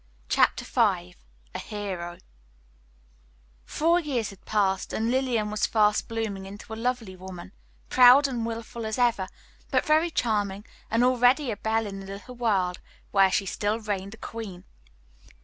Chapter V A HERO Four years had passed, and Lillian was fast blooming into a lovely woman: proud and willful as ever, but very charming, and already a belle in the little world where she still reigned a queen.